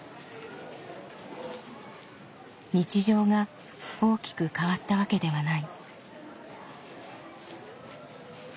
日常が大きく変わったわけではない。